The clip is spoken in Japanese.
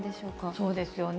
そうですよね。